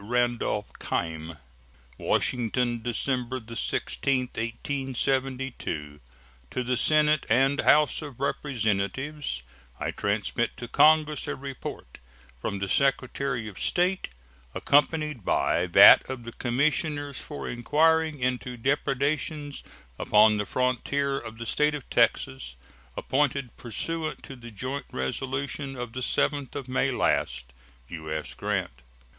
Randolph Keim.] WASHINGTON, December 16, 1872. To the Senate and House of Representatives: I transmit to Congress a report from the Secretary of State, accompanied by that of the commissioners for inquiring into depredations upon the frontier of the State of Texas, appointed pursuant to the joint resolution of the 7th of May last. U.S. GRANT.